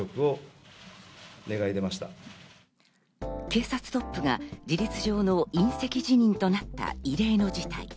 警察トップが事実上の引責辞任となった異例の事態。